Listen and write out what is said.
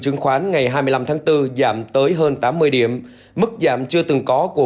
chứng khoán ngày hai mươi năm tháng bốn giảm tới hơn